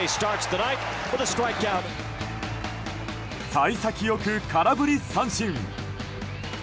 幸先よく空振り三振。